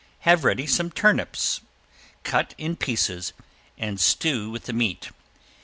Have ready some turnips, cut in pieces, and stew with the meat.